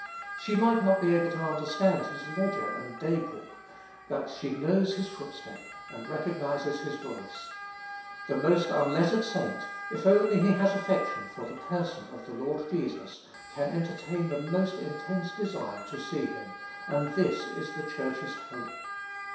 She might not be able to understand his ledger and day book; but she knows his footstep and recognizes his voice. The most unlettered saint, if only he has affection for the person of the Lord Jesus, can entertain the most intense desire to see him; and this is the Church's hope.